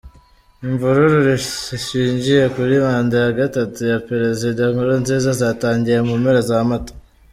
Imvururu zishingiye kuri manda ya gatatu ya Perezida Nkurunziza zatangiye mu mpera za Mata.